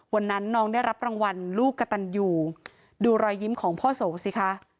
วันนั้นน้องได้รับรางวัลลูกกระตันอยู่ดูรอยยิ้มของพ่อโสสิคะ